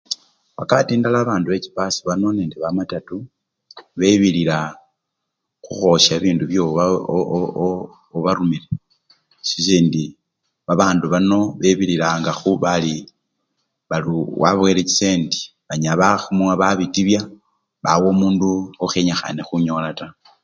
Wakati endala babandu bechibasi banonende ba matatu bebilila khukhwolesha bibindu nibyo obarumire sisindi babandu bano bebililanga bari wabawele chisendi, banyala bebilila babitibya bawa omundu okhenyikhane khunyola taa